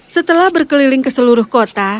setelah berkeliling ke seluruh kota